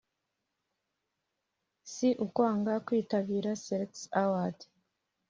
Si ukwanga kwitabira Salax Awards